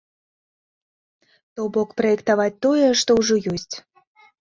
То бок праектаваць тое, што ўжо ёсць.